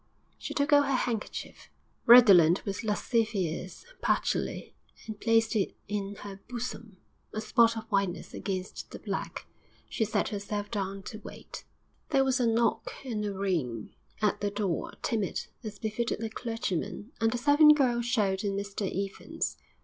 She took out her handkerchief, redolent with lascivious patchouli, and placed it in her bosom a spot of whiteness against the black.... She sat herself down to wait. There was a knock and a ring at the door, timid, as befitted a clergyman; and the servant girl showed in Mr Evans.